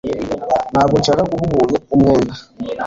Ntabwo nshaka guha umuntu umwenda